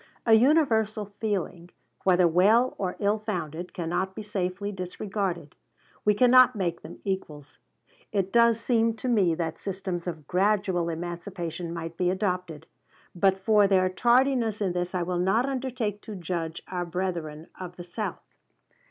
A universal feeling, whether well or ill founded, cannot be safely disregarded. We cannot make them equals. It does seem to me that systems of gradual emancipation might be adopted; but for their tardiness in this I will not undertake to judge our brethren of the South.